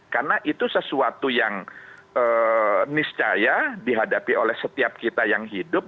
karena itu sesuatu yang niscaya dihadapi oleh setiap kita yang hidup